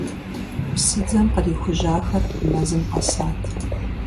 Псыдзэм кърихужьахэр мэзым къэсат.